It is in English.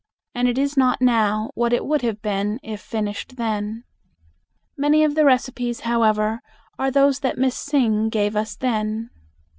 And it is not now what it would have been if finished then. Many of the recipes, however, are those that Miss Singh gave us then.